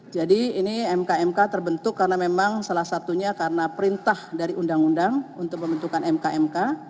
jadi ini mkmk terbentuk karena memang salah satunya karena perintah dari undang undang untuk membentukkan mkmk